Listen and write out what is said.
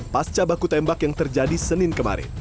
pas cabaku tembak yang terjadi senin kemarin